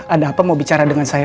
ada apa mau bicara dengan saya